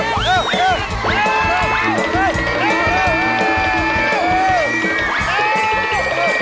เร็วเร็วเร็ว